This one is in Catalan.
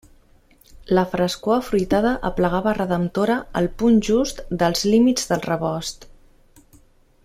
La frescor afruitada aplegava redemptora al punt just dels límits del rebost.